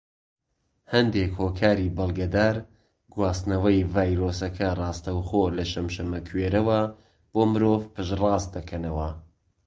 هەندێک هۆکاری بەڵگەدار گواستنەوەی ڤایرۆسەکە ڕاستەوخۆ لە شەمشەمەکوێرەوە بۆ مرۆڤ پشت ڕاست دەکەنەوە.